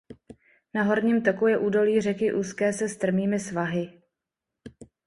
Na horním toku je údolí řeky úzké se strmými svahy.